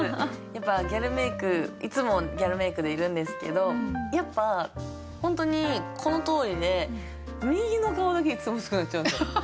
やっぱギャルメイクいつもギャルメイクでいるんですけどやっぱ本当にこのとおりで右の顔だけいつも薄くなっちゃうんですよ。